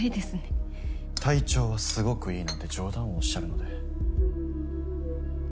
体調はすごくいいなんて冗談をおっしゃるので。